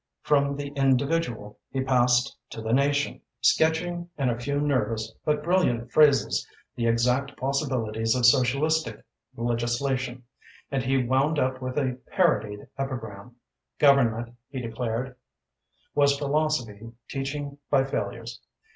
From the individual he passed to the nation, sketching in a few nervous but brilliant phrases the exact possibilities of socialistic legislation; and he wound up with a parodied epigram: Government, he declared, was philosophy teaching by failures.